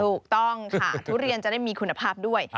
ถูกต้องค่ะทุเรียนจะได้มีคุณภาพด้วย